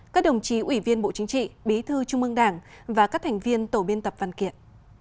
các đồng chí ủy viên bộ chính trị bí thư trung ương đảng và các thành viên tổ biên tập văn kiện